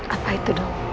apa itu dok